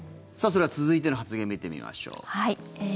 それでは続いての発言を見てみましょう。